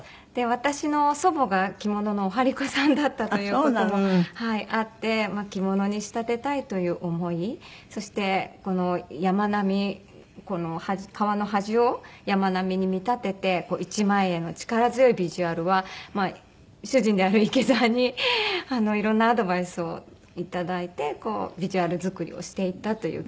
私の祖母が着物のお針子さんだったという事もあって着物に仕立てたいという思いそしてこの山並み革の端を山並みに見立てて一枚絵の力強いビジュアルは主人である池澤にいろんなアドバイスをいただいてビジュアル作りをしていったという。